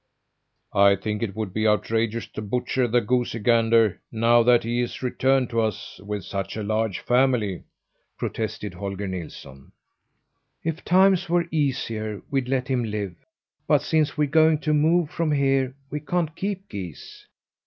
] "I think it would be outrageous to butcher the goosey gander, now that he has returned to us with such a large family," protested Holger Nilsson. "If times were easier we'd let him live; but since we're going to move from here, we can't keep geese.